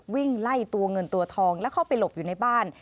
วิ่งไล่ตัวเงินตัวทองแล้วเข้าไปหลบอยู่ในบ้าน